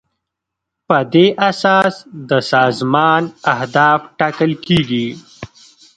په دې اساس د سازمان اهداف ټاکل کیږي.